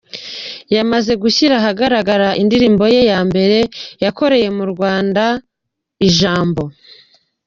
yamaze gushyira ahagaragara indirimbo ye ya mbere yakoreye mu Rwanda Ijambo.